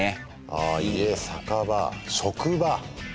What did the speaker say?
ああ家酒場職場。